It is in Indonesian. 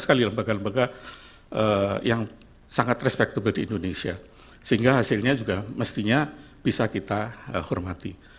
sekali lembaga lembaga yang sangat respectable di indonesia sehingga hasilnya juga mestinya bisa kita hormati